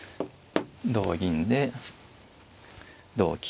同銀で同金。